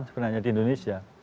sebenarnya di indonesia